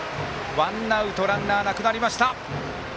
ワンアウトランナーなくなりました。